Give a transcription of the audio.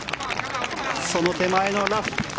その手前のラフ。